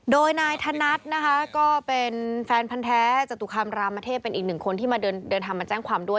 โดยนายธนัดนะคะก็เป็นแฟนพันธ์แท้จตุคามรามเทพเป็นอีกหนึ่งคนที่มาเดินทางมาแจ้งความด้วย